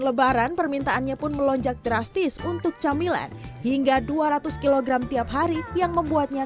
lebaran permintaannya pun melonjak drastis untuk camilan hingga dua ratus kg tiap hari yang membuatnya